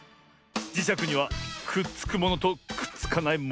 じしゃくにはくっつくものとくっつかないものがある。